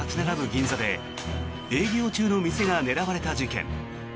銀座で営業中の店が狙われた事件。